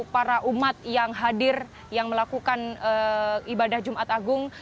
para umat yang hadir yang melakukan ibadah jumat agung